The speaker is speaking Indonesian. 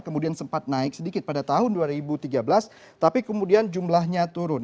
kemudian sempat naik sedikit pada tahun dua ribu tiga belas tapi kemudian jumlahnya turun